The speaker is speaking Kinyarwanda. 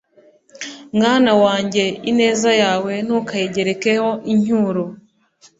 mwana wanjye, ineza yawe ntukayigerekeho incyuro